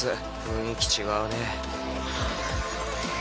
雰囲気違わねぇ？